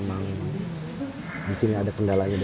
mengubah dan mengurangi suku